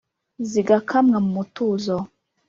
zigakamwa mu mutuzo